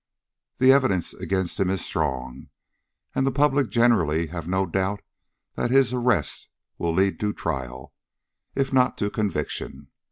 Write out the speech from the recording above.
The evidence against him is strong, and the public generally have no doubt that his arrest will lead to trial, if not to conviction.